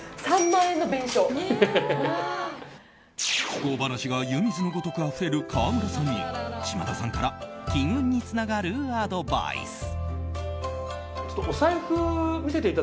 不幸話が湯水のごとくあふれる川村さんに島田さんから金運につながるアドバイス。